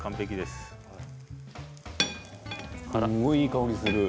すごいいい香りする。